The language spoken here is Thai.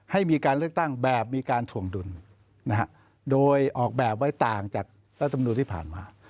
ให้มีการเลือกตั้งแบบมีการถ่วงดุลโดยออกแบบไว้ต่างจากรัฐมนุนที่ผ่านมา